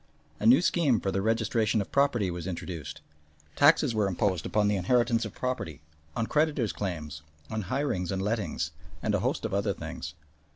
A new scheme for the registration of property was introduced, taxes were imposed upon the inheritance of property, on creditors' claims, on hirings and lettings, and a host of other things.